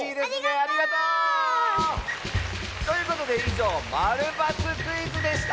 ありがとう！ということでいじょう「○×クイズ」でした！